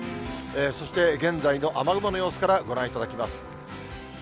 そして現在の雨雲の様子からご覧いただきます。